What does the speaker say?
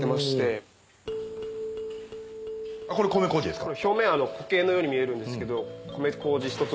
これ米こうじですか？